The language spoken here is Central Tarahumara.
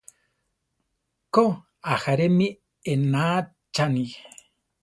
Ko, ajáre mi éenachani.